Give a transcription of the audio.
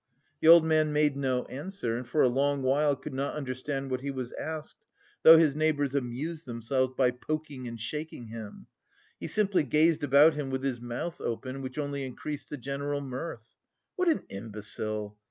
The old man made no answer and for a long while could not understand what he was asked, though his neighbours amused themselves by poking and shaking him. He simply gazed about him with his mouth open, which only increased the general mirth. "What an imbecile!